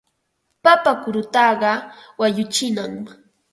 Papa kurutaqa wañuchinam.